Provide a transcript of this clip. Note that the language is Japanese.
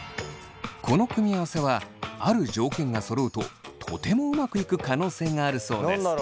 この組み合わせはある条件がそろうととてもうまくいく可能性があるそうです。